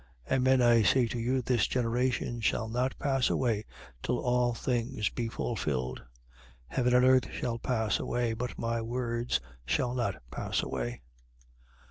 21:32. Amen, I say to you, this generation shall not pass away till all things be fulfilled. 21:33. Heaven and earth shall pass away: but my words shall not pass away.